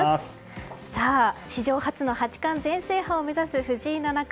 史上初の八冠全制覇を目指す藤井七冠。